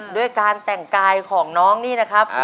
ด้วยการแต่งกายของน้องนี่นะครับ